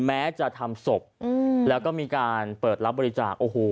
แม้จะทำศพแล้วก็มีการเปิดรับบริจาคโอ้โห